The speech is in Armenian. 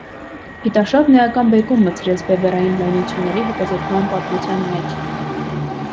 Գիտարշավն էական բեկում մտցրեց բևեռային լայնությունների հետազոտման պատմության մեջ։